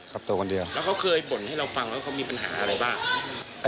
แล้วเขาเคยเบ่นให้เราฟังว่าเขามีปัญหาอะไรบ้าง